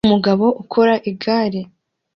Umugabo ukora igare